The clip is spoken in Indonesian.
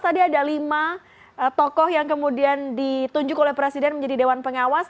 tadi ada lima tokoh yang kemudian ditunjuk oleh presiden menjadi dewan pengawas